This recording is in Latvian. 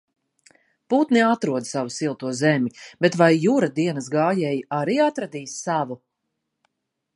Putni atrod savu silto zemi, bet vai Jura dienas gājēji arī atradīs savu?